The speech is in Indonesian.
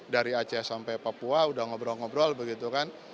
dari aceh sampai papua udah ngobrol ngobrol begitu kan